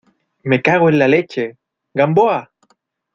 me cago en la leche... ¡ Gamboa!